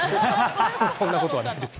そんなことはないです。